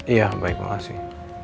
iya baik makasih